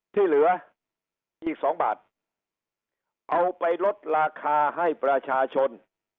ที่เหลืออีกสองบาทเอาไปลดราคาให้ประชาชน